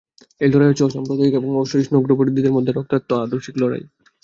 এই লড়াই হচ্ছে অসাম্প্রদায়িক এবং অসহিষ্ণু উগ্রবাদীদের মধ্যে রক্তাক্ত আদর্শিক লড়াই।